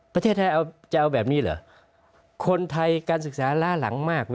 ประเทศไทยเอาจะเอาแบบนี้เหรอคนไทยการศึกษาล่าหลังมาก